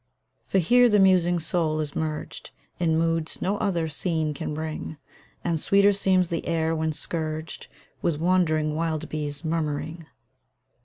For here the musing soul is merged In moods no other scene can bring, And sweeter seems the air when scourged With wandering wild bees' murmuring.